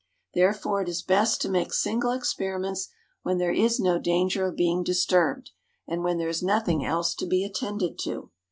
Therefore it is best to make single experiments when there is no danger of being disturbed, and when there is nothing else to be attended to.